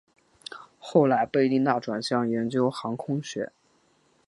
后来贝利纳转向研究航空学。